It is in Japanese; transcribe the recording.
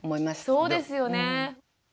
そうですよね。